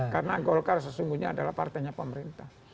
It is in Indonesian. karena golkar sesungguhnya adalah partainya pemerintah